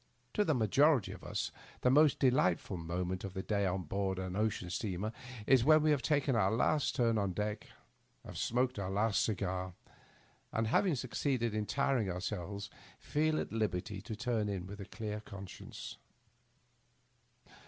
To the majority of us the most delightful moment of the day on board an ocean steamer is when we have taken our last turn on deck, have smoked our last cigar, and having succeeded in tiring ourselves, feel at liberty to turn in with a clear conscience.